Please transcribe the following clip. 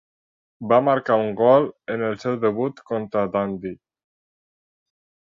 Va marcar un gol en el seu debut contra Dundee.